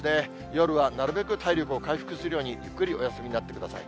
夜はなるべく体力を回復するように、ゆっくりお休みになってください。